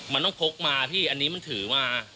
มันต้องพกมาพี่อันนี้มันถือมา